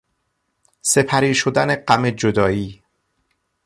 سپری شد غم جدایی...